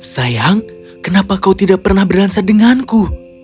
sayang kenapa kau tidak pernah berdansa denganku